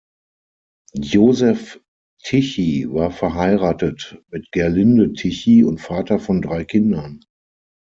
Josef Tichy war verheiratet mit Gerlinde Tichy und Vater von drei Kindern.